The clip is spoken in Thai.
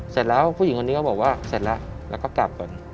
เสร็จแล้วผู้หญิงคนนี้ก็บอกว่าเสร็จแล้วแล้วก็กลับก่อน